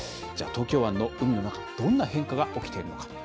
じゃあ、東京湾の海の中どんな変化が起きているのか。